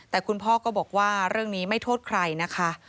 แต่คุณพ่อก็บอกว่าเรื่องนี้ไม่โทษใครนะคะ